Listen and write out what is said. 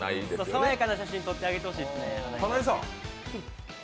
さわやかな写真、撮ってほしいですね。